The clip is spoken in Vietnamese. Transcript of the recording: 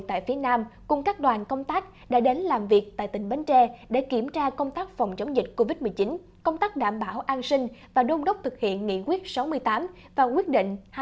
tại phía nam cùng các đoàn công tác đã đến làm việc tại tỉnh bến tre để kiểm tra công tác phòng chống dịch covid một mươi chín